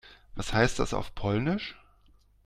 Was heißt das auf Polnisch?